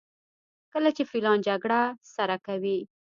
کله چې فیلان جګړه سره کوي.